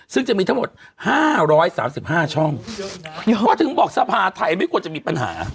ซึ่งจะมีทั้งหมดห้าร้อยสามสิบห้าช่องเพราะถึงบอกสภาทัยไม่ควรจะมีปัญหา